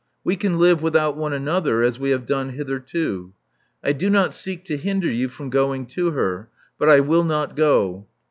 We can live without one another, as we have done hitherto. I do not seek to hinder you from going to her; but I will not go."